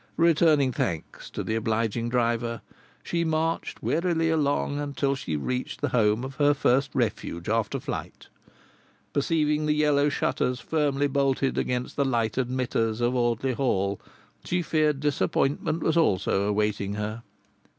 Returning thanks to the obliging driver, she marched wearily along until she reached the home of her first refuge after flight. Perceiving the yellow shutters firmly bolted against the light admitters of Audley Hall, she feared disappointment was also awaiting her.